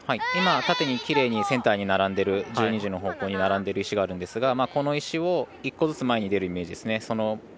今、縦にきれいにセンターに１２時の方向に並んでいる石があるんですが、この石が１個ずつ前に出るイメージですね。